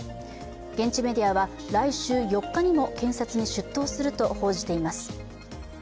現地メディアは来週４日にも検察に出頭すると報じています。